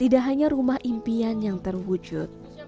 tidak hanya rumah impian yang terwujud